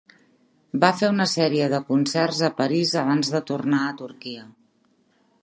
Va fer una sèrie de concerts a París abans de tornar a Turquia.